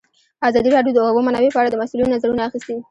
ازادي راډیو د د اوبو منابع په اړه د مسؤلینو نظرونه اخیستي.